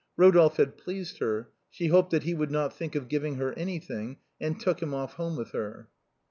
Rodolphe had pleased her, she hoped that he would not think of giving her any thing, and took him off home with her.